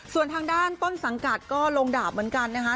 ส่วนทางด้านต้นสังกัดก็ลงดาบเหมือนกันนะคะ